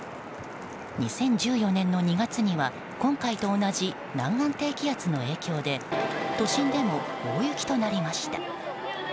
２０１４年の２月には今回と同じ南岸低気圧の影響で都心でも大雪となりました。